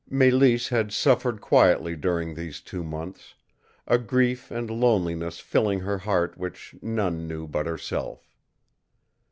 Mélisse had suffered quietly during these two months, a grief and loneliness filling her heart which none knew but herself.